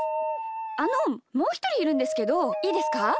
あのもうひとりいるんですけどいいですか？